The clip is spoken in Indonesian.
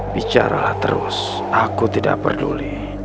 bicara terus aku tidak peduli